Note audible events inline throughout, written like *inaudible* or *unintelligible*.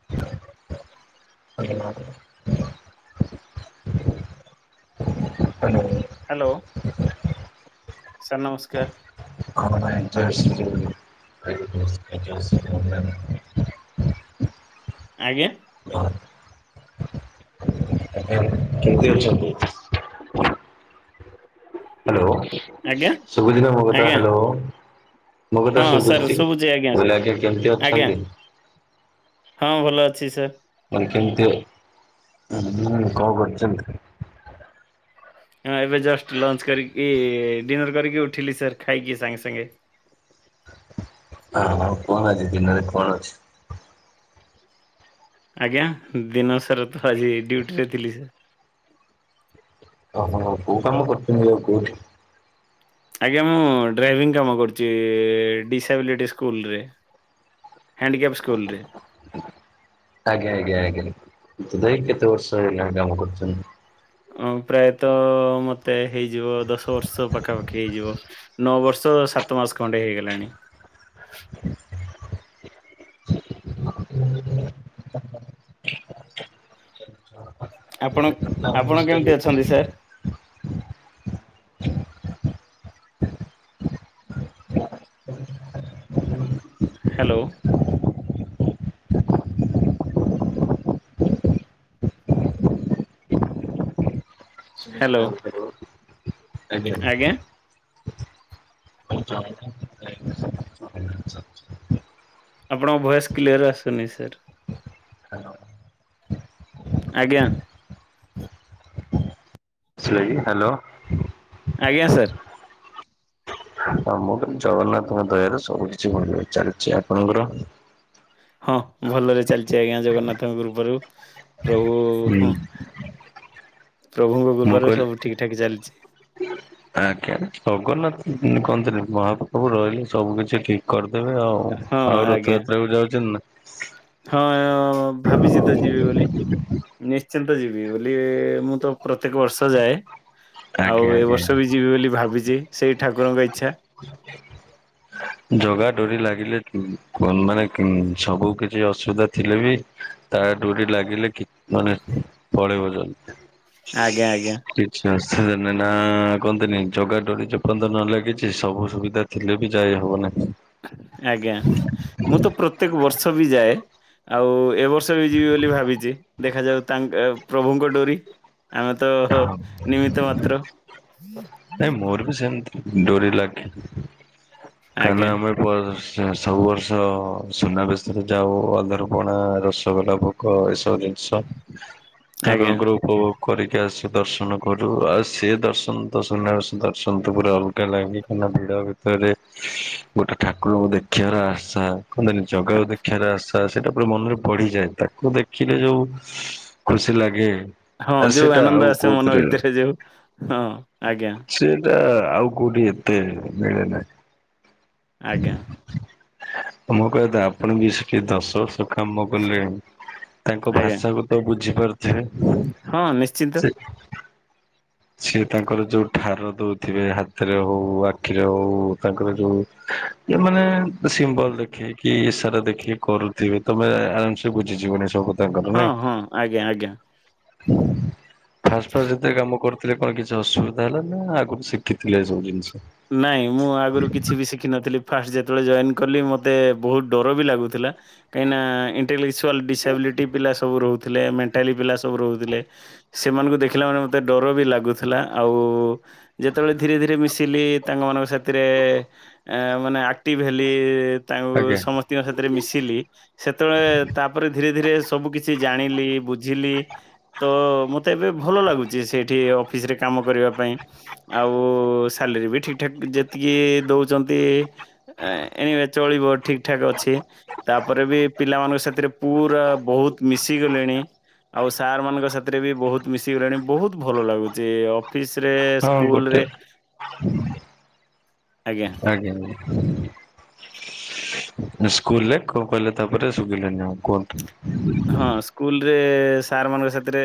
ହ ନ hello hello sir ନମସ୍କାର। *unintelligible* ଆଜ୍ଞା। ହଁ ଆପଣ କେମିତି ଅଛନ୍ତି? ହାଲୋ ଆଜ୍ଞା ଶୁଭୁଚି ନା ମୋ କଥା ଆଜ୍ଞା ହାଲୋ। ମୁଁ ହଁ କଥା ସାର୍ ଶୁଭୁଛି ଟି ମୁଁ କାହିଁକି ସାର୍ ଆଜ୍ଞା କେମିତି ଆଜ୍ଞା ଅଛନ୍ତି? ହଁ ଭଲ ଅଛି ସାର୍। ମାନେ କେମିତି କଣ କରୁଛନ୍ତି? ହଁ ଏବେ ଜଷ୍ଟ ଲଞ୍ଚ କରିକି ଡିନର୍ କରିକି ଉଠିଲି ସାର୍ ଖାଇକି ସାଙ୍ଗେ ସାଙ୍ଗେ। ଆଉ କଣ ଆଜି ଦିନରେ କଣ ଅଛି? ଆଜ୍ଞା ଦିନ ସାରା ତ ଆଜି ଡ୍ୟୁଟିରେ ଥିଲି। ଓହୋ କୋଉ କାମ କରୁଛନ୍ତି ଆଉ କୋଉଠି? ଆଜ୍ଞା ମୁଁ ଡ୍ରାଇଭିଂ କାମ କରୁଛି ଡିସାବିଲିଟି ସ୍କୁଲରେ। ହ୍ୟାଣ୍ଡିକ୍ୟାପ୍ ସ୍କୁଲରେ। ଆଜ୍ଞା ଆଜ୍ଞା ଆଜ୍ଞା ତଥାପି କେତେ ବର୍ଷ ହେଇଗଲାଣି କାମ କରୁଛନ୍ତି? ଅ ପ୍ରାୟତଃ ମତେ ହେଇଯିବ ଦଶ ବର୍ଷ ପାଖାପାଖି ହେଇଯିବ। ନଅ ବର୍ଷ ସାତମାସ ଖଣ୍ଡେ ହେଇଗଲାଣି। ଆପଣ ଆପଣ କେମିତି ଅଛନ୍ତି ସାର୍? ହାଲୋ। ହ୍ୟାଲୋ। ଆଜ୍ଞା। *inaudible* *inaudible* ଆପଣଙ୍କ ଭଏସ୍ କ୍ଲିୟର ଆସୁନି ସାର୍। ହାଲୋ। ଆଜ୍ଞା। ଶୁଭିଲା କି ହାଲୋ। ଆଜ୍ଞା ସାର୍। ହ ମୁଁ କହିଲି ଜଗନ୍ନାଥଙ୍କ ଦୟାରୁ ସବୁ କିଛି ଭଲ ଚାଲିଛି ଆପଣଙ୍କର? ହଁ ଭଲରେ ଚାଲିଛି ଆଜ୍ଞା ଜଗନ୍ନାଥଙ୍କ କୃପାରୁ। ପ୍ରଭୁ ହୁଁ ପ୍ରଭୁଙ୍କ ମୁଁ କୃପାରୁ କହିଲି ସବୁ ଠିକ ଠାକ ଚାଲିଛି। ଆଜ୍ଞା ଜଗନ୍ନାଥ କୁହନ୍ତିନି ମହାପ୍ରଭୁ ରହିଲେ ସବୁ କିଛି ଠିକ। କରିଦେବେ ଆଉ ହଁ ଆଉ ଆଜ୍ଞା ରଥଯାତ୍ରାକୁ ଯାଉଛନ୍ତି ନା? ହଁ ଭାବିଛି ତ ଯିବି ବୋଲି। ନିଶ୍ଚିନ୍ତ ଯିବି ବୋଲି ମୁଁ ତ ପ୍ରତ୍ୟେକ ବର୍ଷ ଯାଏ। ନା ଆଉ ଆଜ୍ଞା ଏ ଆଜ୍ଞା। ବର୍ଷ ବି ଯିବି ବୋଲି ଭାବିଛି ସେଇ ଠାକୁରଙ୍କ ଇଚ୍ଛା। ଜଗା ଡୋରି ଲାଗିଲେ ମାନେ ହିଁ ସବୁ କିଛି ଅସୁବିଧା ଥିଲେ ବି ତା ଡୋରି ଲାଗିଲେ କି ମାନେ ପଳେଇବ ଜଣେ। ଆଜ୍ଞା ଆଜ୍ଞା। ସେ ନା ନା କୁହନ୍ତିନି ଜଗା ଡୋରି ଯୋଉ ଯେପର୍ଯ୍ୟନ୍ତ ନ ଲାଗିଛି ସବୁ ସୁବିଧା ଥିଲେ ବି ଯାଇ ହବନି। ଆଜ୍ଞା ମୁଁ ତ ପ୍ରତ୍ୟେକ ବର୍ଷ ବି ଯାଏ। ଆଉ ଏ ବର୍ଷ ବି ଯିବି ବୋଲି ଭାବିଛି ଦେଖାଯାଉ ତାଙ୍କ ପ୍ରଭୁଙ୍କ ଡୋରି ଆମେ ତ ହ ନିମିତ୍ତ ମାତ୍ର। ନାଇଁ ମୋର ବି ସେମିତି ଡୋରି ଲାଗେ କାରଣ ଆଜ୍ଞା ଆମେ ସବୁ ବର୍ଷ ସୁନାବେଶରେ ଯାଉ ଅଧାରପଣା ର ରସଗୋଲା ଭୋଗ ଏସବୁ ଜିନିଷ ଆଜ୍ଞା। ଠାକୁରଙ୍କର ଉପଭୋଗ କରିି ଟିକ ଆସ ଦର୍ଶନ କରୁ ଆଉ ସେି ଦର୍ଶନ ତ ସୁନାବେଶ ଦର୍ଶନ ତ ପୁରା ଅଲଗା ଲାଗେ କାହିନା ଭିଡ ଭିତରେ ଗୋଟେ ଠାକୁରଙ୍କୁ ଦେଖିବାର ଆଶା କହନ୍ତିନି ଜଗାକୁ ଦେଖିବାର ଆଶା ସେଇଟା ପୁରା ମନରେ ବଢିଯାଏ ତାକୁ ଦେଖିଲେ ଯୋଉ ଖୁସି ଲାଗେ। ହଁ ଆ ଯୋଉ ସେଇଟା ଆଉ ଆନନ୍ଦ ଆସେ ମନ କୋଉଥିରେ ଭିତରେ ଯୋଉ ହଁ ଆଜ୍ଞା। ଏ ଆଉ କୋଉଠି ଏତେ ମିଳେ ନାହିଁ। ଆଜ୍ଞା। ମୋ କହିଆ କଥା ଆପଣ ବି ସେ ଦଶ ବର୍ଷ କାମ କଲେ ତାଙ୍କ ଆଜ୍ଞା। ଭାଷାକୁ ତ ବୁଝିପାରୁିଥିବେ। ହଁ ନିଶ୍ଚିନ୍ତ। ସିଏ ତାଙ୍କର ଯୋଉ ଠାର ଦଉଥିବେ ହାତରେ ହଉ ଆଖିରେ ହଉ ତାଙ୍କର ଯୋଉ ଏ ମାନେ ସିମ୍ବଲ ଦେଖେ କି ଇସାରା ଦେଖେ କରୁଥିବେ ତମେ ଆରାମସେ ବୁଝିଯିବନି ସବୁ। ହଁ ହଁ ଆଜ୍ଞା ଆଜ୍ଞା। *unintelligible* ଫାଷ୍ଟ ଫା ଯେତେ କାମ କର ଥିଲେ କଣ କିଛି ଅସୁବିଧା ହେଲା ନା ଆଗରୁ ଶିଖିଥିଲେ ଏ ସବୁ ଜିନିଷ। ନାଇଁ ମୁଁ ଆଗରୁ କିଛି ବି ଶିଖ ଶିଖି ନଥିଲ ଫାଷ୍ଟ ଯେତେବେଳେ ଜଏନ୍ କଲି ମତେ ବହୁତ ଡର ବି ଲାଗୁଥିଲା କାଇଁ ନା ଇଣ୍ଟେଲ଼, ଡିସାବିଲିଟି ପିଲା ସବୁ ରହୁଥିଲେ ମେଣ୍ଟାଲି ପିଲା ସବୁ ରହୁଥିଲେ। ସେମାନଙ୍କୁ ଦେଖିଲା ମାନ ମତେ ଡର ବି ଲାଗୁଥିଲା ଆଉ ଯେତେବେଳେ ଧୀରେ ଧୀରେ ମିଶିଲି ତାଙ୍କ ମାନକ ସାଥିରେ ମାନେ ଆକ୍ଟିଭ ହେଲି ତାଙ୍କୁ ଆଜ୍ଞା ସମ ପିୟର ସାଥିରେ ମିଶିଲି ସେତେବେଳେ ତାପରେ ଧୀରେ ଧୀରେ ସବୁ କିଛି ଜାଣିଲି ବୁଝିଲି ତ ମୁଁ ଏବେ ଭଲ ଲାଗୁଛି ସେଠି ଅଫିସ୍ ରେ କାମ କରିବା ପାଇଁ ଆଉ ସାଲରୀ ବି ଠିକ୍ ଠାକ୍ ଯେତିକି ଦଉଛନ୍ତି ଏନୱେ ଚଳିବ ଠିକ ଠାକ୍ ଅଛି। ତାପରେ ବି ପିଲାମାନଙ୍କ ସାଥିରେ ପୁରା ବହୁତ ମିଶି ଗଲେଣି। ଆଉ ସାର୍ ମାନଙ୍କ ସାଥିରେ ବି ବହୁତ ମିଶିଗଲେଣି ବହୁତ ଭଲ ଲାଗୁଛି। ଅଫିସ୍ ରେ ସ୍କୁଲ ରେ। ହ *unintelligible* ଆଜ୍ଞା। ଆଜ୍ଞା ଆ ସ୍କୁଲରେ କଣ କହିଲେ ତାପରେ ସୁଭିଲାନି ଆଉ କୁହନ୍ତୁ। ହଁ ସ୍କୁଲ ରେ ସାର୍ ମାନଙ୍କ ସାଥିରେ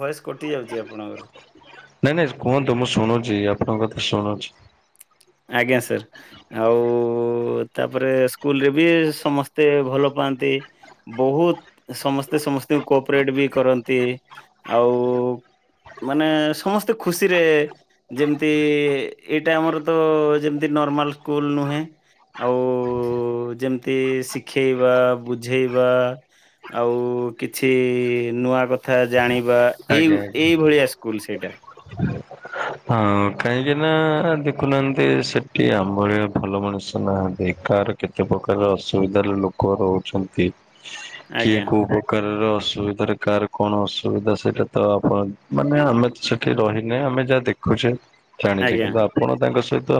ଭଏସ କଟି ଯାଉଚି ଆପଣଙ୍କର। ନାଇଁ ନାଇଁ କୁହନ୍ତୁ ମୁଁ ଶୁଣୁଛି ଆପଣଙ୍କ କଥା ଶୁଣୁଛି। ଆଜ୍ଞା ସାର୍। ଆଉ ତାପରେ ସ୍କୁଲ ରେ ବି ସମସ୍ତେ ଭଲ ପାଆନ୍ତି। ବହୁତ ସମସ୍ତେ ସମସ୍ତଙ୍କୁ କୋପରେଟ୍ ବି କରନ୍ତି ଆଉ ମାନେ ସମସ୍ତେ ଖୁସିରେ ଯେମିତି ଏଇଟା ଆମର ତ ଯେମିତି ନର୍ମାଲ ସ୍କୁଲ ନୁହେଁ। ଆଉ ଯେମିତି ଶିଖେଇବା ବୁଝେଇବା। ଆଉ କିଛି ନୂଆ କଥା ଜାଣିବା ଏଇ ଏଇ ଭଳିଆ ସ୍କୁଲ ସେଇଟା। ହ *unintelligible* ହଁ କାହିଁକି ନା ଦେଖୁନାହାନ୍ତି ସେଠି ଆମଭଳିଆ ଭଲ ମଣିଷ ନାହାନ୍ତି କାର କେତେ ପ୍ରକାର ଅସୁବିଧାରେ ଲୋକ ରହୁଛନ୍ତି। କିଏ ଆଜ୍ଞା କୋଉ ପ୍ରକାରର ଅସୁବିଧା କାର କଣ ଅସୁବିଧା ସେ ତ ଆପଣ ମାନେ ଆମେ ତ ସେଠି ରହିନେ ଆମେ ଯାହା ଦେଖୁଛେ ଜାଣିଛେ ଆଜ୍ଞା କିନ୍ତୁ ଆପଣ ତାଙ୍କ ସହିତ।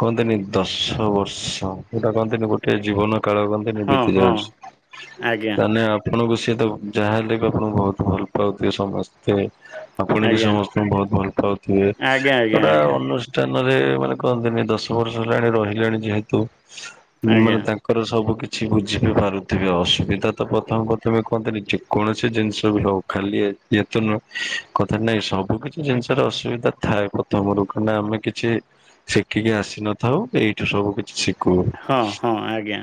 କୁହନ୍ତିନି ଦଶ ବର୍ଷ ସେଇଟା କହନ୍ତିନି ଗୋଟେ ଜୀବନ କାଳ ଏହି ନେ ହଁ ବିତି ହଁ ଯାଉଛି ଆଜ୍ଞା ମାନେ ଆ ଆପଣଙ୍କୁ ସିଏ ଦବ ଯାହା ହେେଲେ ବି ଆପଣଙ୍କୁ ବହୁତ ଭଲ ପାଉଥିବେ ସମସ୍ତେ। ଆପଣ ବି ଆଜ୍ଞା। ସମସ୍ତଙ୍କୁ ବହୁତ ଭଲ ପାଉଥିବେ ଆଜ୍ଞା, ଆଜ୍ଞା, ଏଟା ଆଜ୍ଞା, ଅନ *unintelligible* ରେ ମାନେ କହନ୍ତିନି ଦଶ ବର୍ଷ ହେଲାଣି ରହିଲେଣି ଯେହେତୁ ମାନେ ଆଜ୍ଞା। ତା ଙ୍କର ସବୁ କିଛି ବୁଝି ବିି ପାରୁଥିବେ ଅସୁବିଧା ତ ପ୍ରଥମେ ପ୍ରଥମେ କୁହନ୍ତିନି ଯେକୌଣସି ଜିନିଷ ବି ହଉ। ଖାଲି ଏ ଇଏ ତ ନୁହଁ, କଥା ନାଇଁ ସବୁ କିଛି ଜିନିଷର ଅସୁବିଧା ଥାଏ ପ୍ରଥମରୁ କାଇଁ ନା ଆମେ କିଛି ଶିଖିକି ଆସିନଥାଉ ଏଇଠୁ ସବୁ କିଛି ଶିଖୁ। ହଁ, ହଁ, ଆଜ୍ଞା।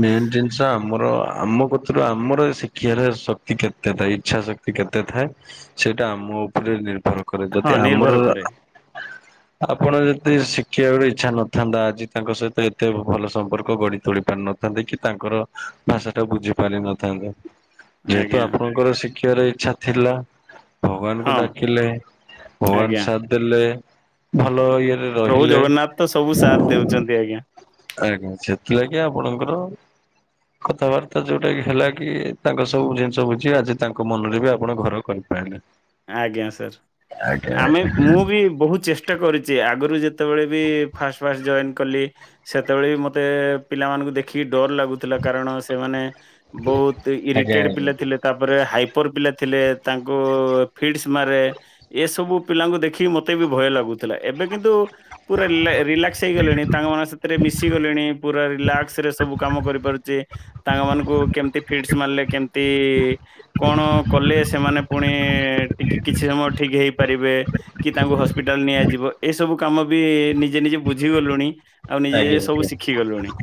ମେନ୍ ଜିନିଷ ଆମର ଆମ କତିରୁ ଆମର ଶିକ୍ଷାରେ ଶକ୍ତି କେତେ ଥାଏ? ଇଚ୍ଛା ଶକ୍ ତି କେତେ ଥାଏ? ସେଇଟା ଆମ ଉପରେ ନିର୍ଭର କରେ ହଁ, ଯଦି ଆମର ନିର୍ଭର କରେ। ଆପଣ ଯଦି ଶିଖିବାର ବି ଇଚ୍ଛା ନଥାନ୍ତା ଆଜି ତାଙ୍କ ସହିତ ଏତେ ଭଲ ସମ୍ପର୍କ ଗଢି ତୋଳି ପାରିନ ଥାନ୍ତେ କି ତାଙ୍କର ଭାଷା ଟା ବୁଝି ପାରିନଥାନ୍ତା। ଯେହେତୁ ଆଜ୍ଞା, ଆପଣଙ୍କର ଶିଖିବାର ଇଚ୍ଛା ଥିଲା। ଭଗବାନଙ୍କୁ ହଁ, ଡାକିଲେ, ଭଗବାନ ଆଜ୍ଞା। ସାଥ ଦେଲେ, ଭଲ ଇଏରେ ପ୍ରଭୁ ରହିଲେ ଜଗନ୍ନାଥ ତ ସବୁ ସାଥ ଦେଉଚନ୍ତି ଆଜ୍ଞା। ଆଜ୍ଞା ସେଥିଲାଗି ଆପଣଙ୍କର କଥାବାର୍ତ୍ତା ଯୋଉଟା କି ହେଲା କି ତାଙ୍କ ସବୁ ଜିନିଷ ବୁଝିବା ଯେ ତାଙ୍କ ମନରେ ବି ଆପଣ ଘର କରି ପାରିଲେ। ଆଜ୍ଞା ସାର୍ ଆମେ ମୁଁ ବି ବହୁତ ଚେଷ୍ଟ ଟା କରିଚି ଆଗରୁ ଯେତେବେଳେ ବି ଫାଷ୍ଟ ଫାଷ୍ଟ ଜଏନ୍ କଲି। ସେତେବେଳେ ବି ମୋତେ ପିଲାମାନଙ୍କୁ ଦେଖିକି ଡର ଲାଗୁଥିଲା। କାରଣ ସେମାନେ ବହୁତ ଆଜ୍ଞା ଇରିଟେଡ୍ ପିଲା ଥିଲେ, ତାପରେ ହାଇପର୍ ପିଲା ଥିଲେ, ତାଙ୍କୁ ଫିଡସ୍ ମାରେ ଏସବୁ ପିଲାଙ୍କୁ ଦେଖିକି ମୋତେ ବି ଭୟ ଲାଗୁଥିଲା। ଏବେ କିନ୍ତୁ ପୁରା ଲେ-ରିଲାକ୍ସ ହେଇଗଲିଣି ତାଙ୍କମାନ ସ ତେରେ ମିଶି ଗଲିଣି ପୁରା ରିଲାକ୍ସ ରେ ସବୁ କାମ କରିପାରୁଚି। ତାଙ୍କ ମାନଙ୍କୁ କେମତି ଫିଡସ୍ ମାରିଲେ କେମତି କଣ କଲେ ସେମାନେ ପୁଣି ଟିକେ କିଛି ସମୟ ଠିକ ହେଇପାରିବେ। କି ତାଙ୍କୁ ହସ୍ପିଟାଲ୍ ନିଆଯିବ, ଏ ସବୁ କାମ ବି ନିଜେ ନିଜେ ବୁଝି ଗଲୁଣି। ଆଉ ନିଜେ ଆଜ୍ଞା ସବୁ ଆଜ୍ଞା। ଶିଖି ଗଲୁଣି।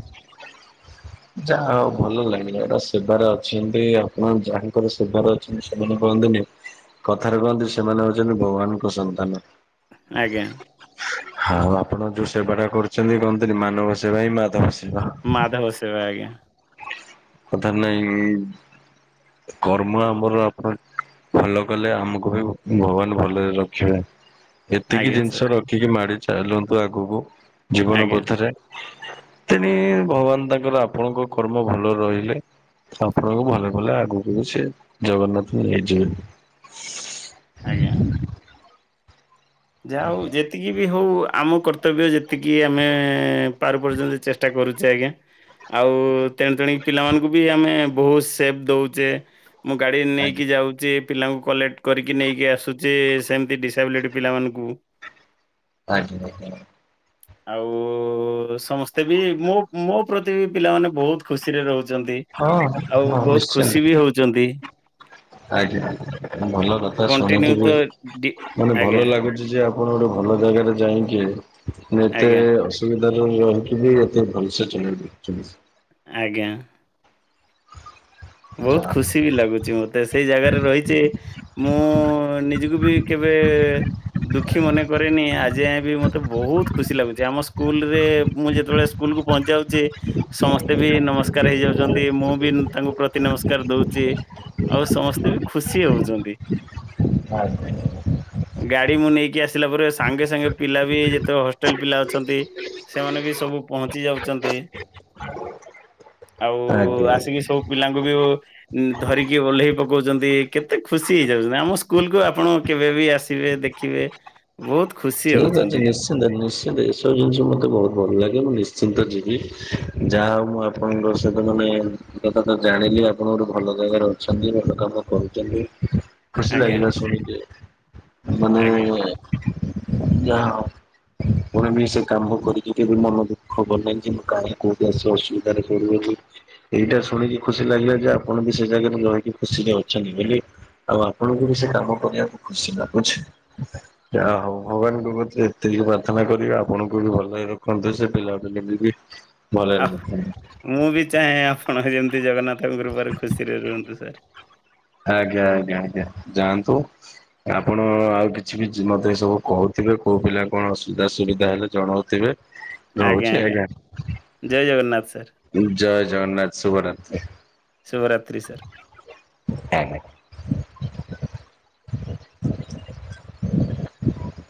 ଯାହଉ ଭଲ ଲାଗିଲା, ଏଟା ସେବାରେ ଅଛନ୍ତି ଆପଣ ଯାହାଙ୍କର ସେବାରେ ଅଛନ୍ତି ସେମାନେ କହନ୍ତିନି କଥାରେ କହନ୍ତି ସେମାନେ ହଉଛନ୍ତି ଭଗବାନଙ୍କ ସନ୍ତାନ। ଆଜ୍ଞା। ହଁ ଆଉ ଆପଣ ଯୋଉ ସେବା ଟା କରୁଛନ୍ତି କହନ୍ତିିନି ମାନବ ସେବା ହିଁ ମାଧବ ସେବା। ମାଧବ ସେବା ଆଜ୍ଞା। କଥା ନାଇଁ ଇ- କର୍ମ ଆମର ଆପ *unintelligible* ଭଲ କଲେ ଆମକୁ ବି ଭଗବାନ ଭଲରେ ରଖିବେ। ଏତିକି ଆଜ୍ଞା ଜିନିଷ ସାର୍। ରଖିକି ମାଡି ଚାଲନ୍ତୁ ଆଗକୁ ଜୀବନ ଆଜ୍ଞା ପଥରେ। ତେଣି ଭଗବାନ ତାଙ୍କର ଆପଣଙ୍କ କର୍ମ ଭଲ ରହି ଲେ ଆପଣଙ୍କୁ ଭଲରେ ଭଲରେ ଆଗକୁ ବି ସେ ଜଗନ୍ନାଥ ନେଇଯିବେ। ଆଜ୍ଞା। ଯା ହଉ ଯେତିକି ବି ହଉ ଆମ କର୍ତ୍ତବ୍ୟ ଯେତିକି ଆମେ ପାରୁ ପର୍ଯ୍ୟନ୍ତ ଚେଷ୍ଟା କରୁଚେ ଆଜ୍ଞା। ଆଉ ତେଣୁ ତେଣିକି ପିଲାମାନଙ୍କୁ ବି ଆମେ ବହୁତ ସେଫ୍ ଦଉଚେ। ମୁଁ ଗାଡି ଆଜ୍ଞା। ନେଇକି ଯାଉଚି ପିଲାଙ୍କୁ କଲେକ୍ଟ କରିକି ନେଇକି ଆସୁଚି ସେମତି ଡିସାବିଲିଟି ପିଲାମାନଙ୍କୁ ମୁଁ ଆଜ୍ଞା *inaudible* ଆଉ ସମସ୍ତେ ବି ମୋ ମୋ ପ୍ରତି ବି ପିଲାମାନେ ବହୁତ ଖୁସିରେ ରହୁଛନ୍ତି। ହଁ ଆଉ ହଁ ବହୁତ ନିଶ୍ଚିନ୍ତ ଖୁସି ବି ହଉଚନ୍ତି। ଆଜ୍ଞା। ଭଲ କଥା କଣ୍ଟିନ୍ୟୁ ଶୁଣିକି ବି ତ ଡି ମାନେ ଆଜ୍ଞା ଭଲ ଲାଗୁ ଯେ ଆପଣ ଗୋଟେ ଭଲ ଜାଗାରେ ଯାଇଁକି। ଆଜ୍ଞା *unintelligible* ଅସୁବିଧାରେ ରହିକି ବି ଏତେ ଭଲସେ। *unintelligible* ଆଜ୍ଞା। ବହୁତ୍ ଯାହା ଖୁସି ବି ଲାଗୁଚି ମୋ ସେଇ ଜାଗାରେ ରହିଚି ମୁଁ ନିଜକୁ ବି କେବେ ଦୁ ଦୁଃଖୀ ମନେକରେନି ଆଜି ଯାଏଁ ବି ମୋତେ ବହୁତ୍ ଖୁସି ଲାଗୁଚି। ଆମ ସ୍କୁଲରେ ମୁଁ ଯେତେବେଳେ ସ୍କୁଲକୁୁ ପହଞ୍ଚିଯାଉଚି ସମସ୍ତେ ବି ନମସ୍କାର ହେଇଯାଉଛନ୍ତି। ମୁଁ ବି ତାଙ୍କୁ ପ୍ରତି ନମସ୍କାର ଦଉଚି। ଆଉ ସମସ୍ତେ ବି ଖୁସି ହଉଚନ୍ତି। *inaudible* ଗାଡି ମୁଁ ନେଇକି ଆସିଲା ପରେ ସାଙ୍ଗେ ସାଙ୍ଗେ ପିଲା ବି ଯେତେବେଳେ ହଷ୍ଟେଲ ପିଲା ଅଛନ୍ତି ସେମାନେ ବି ସବୁ ପହଞ୍ଚି ଯାଉଚନ୍ତି। ଆଉ ଆଜ୍ଞା ଆସିକି ସବୁ ପିଲାଙ୍କୁ ବି ଓ ଧରିକି ଓହ୍ଲେଇ ପକଉଛନ୍ତି। କେତେ ଖୁସି ହେଇଯାଉଛନ୍ତି। ଆମ ସ୍କୁଲ କୁ ଆପଣ କେବେ ବି ଆସିବେ ଦେଖ୍ ଖିବେ ବହୁତ୍ ଖୁସ୍ ଠିକ୍ ଅଛି ନିଶ୍ ନିଶ୍ଚିନ୍ତ ନିଶ୍ଚିନ୍ତ। ଏସବୁ ଜିନିଷ ମତେ ବହୁତ ଭଲ ଲାଗେ। ମୁଁ ନିଶ୍ଚିନ୍ତ ଯିବି। ଯାହା ହଉ ମୁଁ ଆ ଆପଣଙ୍କ ର *unintelligible* ଜାଣିଲି ଆପଣ ଗୋଟେ ଭଲ ଜାଗାରେ ଅଛନ୍ତି ଭଲ କାମ କରୁଛନ୍ତି। ଖୁସି ଆଜ୍ଞା ଲାଗିଲା ଶୁଣିକି। ମାନେ ଆଜ୍ଞା *unintelligible* ପୁଣି ବି ସେ କାମ କରିକି କେବେ ମନ ଦୁଃଖ ହବନାହିଁ ଯେ ମୁଁ କାହିଁ କୋଉଠି ଆସି ଅସୁବିଧାରେ ପଡିବ କି ଏଇଟା ଶୁଣିକି ଖୁସି ଲାଗିଲା ଯେ ଆପଣ ବି ସେ ଜାଗାରେ ରହିକି ଖୁସିରେ ଅଛନ୍ତି ବୋଲି। ଆଉ ଆପଣଙ୍କୁ ବି ସେ କାମ କରିବାକୁ ଖୁସି ଲାଗୁଛି। ଯାହା ହଉ। ଭଗବାନଙ୍କ କତିରେ ଏତିକି ପ୍ରାର୍ଥନା କରିବି ଆପଣଙ୍କୁ ବି ଭଲ ରେ ରଖନ୍ତୁ। ସେ ପିଲାମାନେ ବି ଆ ଭଲରେ ରଖନ୍ତୁ। ମୁଁ ବି ଚାହେଁ ଆପଣ ଯେମିତି ଜଗନ୍ନାଥଙ୍କ କୃପାରୁ ଖୁସିରେ ରୁହନ୍ତୁ ସାର୍। ଆଜ୍ଞା ଆଜ୍ଞା ଆଜ୍ଞା ଯାଆନ୍ତୁ। ଆପଣ ଆଉ କିଛି କିଛି ମତେ ଏ ସବୁ କହୁଥିବେ, କୋଉ ପିଲା କଣ ଅସୁବିଧା ସୁବିଧା ହେଲେ ଜଣଉଥିବେ। ହ ଆଜ୍ଞା ଆଜ୍ଞା। ଜୟ ଜଗନ୍ନାଥ ସାର୍। ଜୟ ଜଗନ୍ନାଥ ଶୁଭରାତ୍ରି।